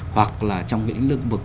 hoặc là trong những lương vực